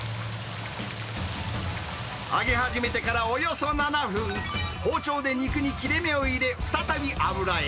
揚げ始めてからおよそ７分、包丁で肉に切れ目を入れ、再び油へ。